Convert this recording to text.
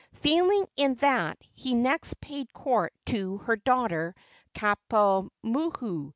Failing in that, he next paid court to her daughter Kapuaamohu.